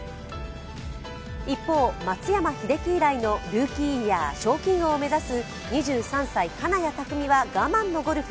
一方、松山英樹以来のルーキーイヤー賞金王を目指す２３歳・金谷拓実は我慢のゴルフ。